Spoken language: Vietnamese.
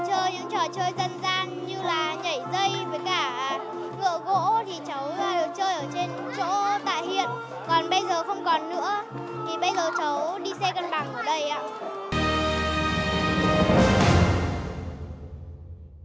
còn bây giờ không còn nữa thì bây giờ cháu đi xe cân bằng ở đây ạ